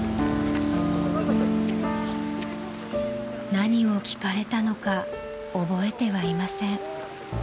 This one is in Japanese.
［何を聞かれたのか覚えてはいません］